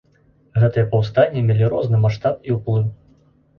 Гэтыя паўстанні мелі розны маштаб і ўплыў.